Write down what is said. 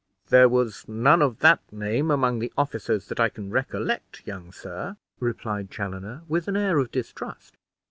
"There was none of that name among the officers that I can recollect, young sir," replied Chaloner, with an air of distrust.